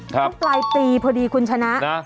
ปลายปีพอดีคุณชนะ